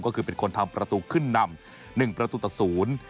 ก็คือเป็นคนทำประตูขึ้นนำหนึ่งประตูต่อศูนย์